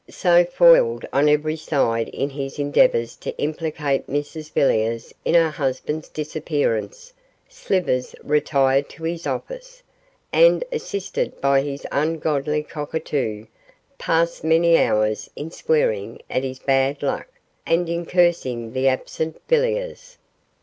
So, foiled on every side in his endeavours to implicate Mrs Villiers in her husband's disappearance, Slivers retired to his office, and, assisted by his ungodly cockatoo, passed many hours in swearing at his bad luck and in cursing the absent Villiers.